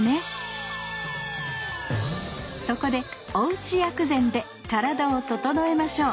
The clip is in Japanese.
そこでおうち薬膳で体をととのえましょう。